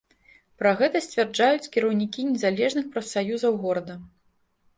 Пра гэта сцвярджаюць кіраўнікі незалежных прафсаюзаў горада.